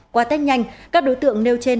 qua tết nhanh các đối tượng nêu trên